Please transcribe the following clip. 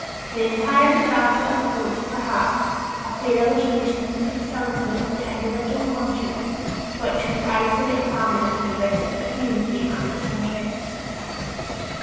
The entire disaster affords, perhaps, a fair illustration of the futility of the individual conscience which would isolate a family from the rest of the community and its interests.